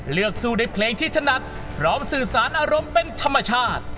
เลือกสู้ในเพลงที่ถนัดพร้อมสื่อสารอารมณ์เป็นธรรมชาติ